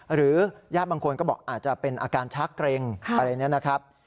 หรือญาติบางคนก็บอกอาจจะเป็นอาการชักเกร็งอะไรเนี่ยนะครับ